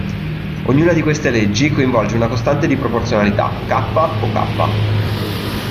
Ognuna di queste leggi, coinvolge una costante di proporzionalità, "k" o "k".